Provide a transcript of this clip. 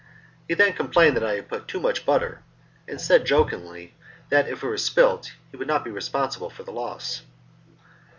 He then complained that I had put in too much butter, and said, jokingly, that if it were spilt he would not be responsible for the loss.